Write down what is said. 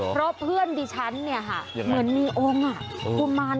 เพราะเพื่อนดิฉันเนี่ยค่ะเหมือนมีองค์กุมาร